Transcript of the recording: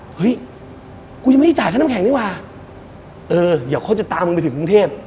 เฮ้ยกูยังไม่ได้จ่ายเองว้าเดี๋ยวเขาจะตามมึงมาถึงกรุงเทพ